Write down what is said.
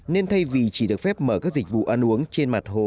nên thay vì chỉ được phép mở các dịch vụ ăn uống trên mặt hồ